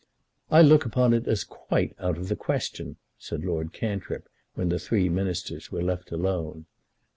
"I look upon it as quite out of the question," said Lord Cantrip, when the three Ministers were left alone.